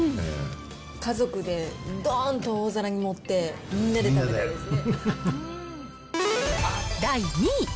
家族でどーんと大皿に盛って、みんなで食べたいですね。